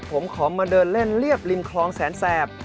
ผมขอมาเดินเล่นเรียบริมคลองแสนแสบ